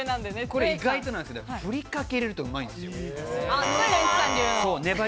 これ意外なんですけれど、ふりかけ入れると、うまいんですよ。